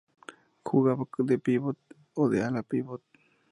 Jugaba de pívot o de ala-pívot.